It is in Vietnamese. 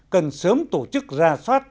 cần sớm tổ chức ra soát